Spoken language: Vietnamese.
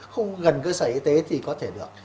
không gần cơ sở y tế thì có thể được